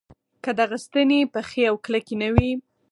که دغه ستنې پخې او کلکې نه وي.